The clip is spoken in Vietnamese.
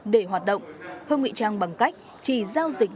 để vận hành các trang môi giới mại dâm